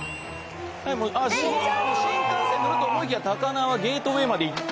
品川で新幹線に乗ると思いきや高輪ゲートウェイまで行って。